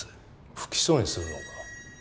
不起訴にするのか？